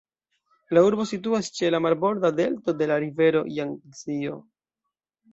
La urbo situas ĉe la marborda delto de la rivero Jangzio.